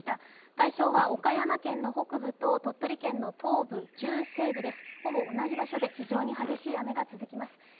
対象は岡山県の北部と鳥取県の東部・中西部です。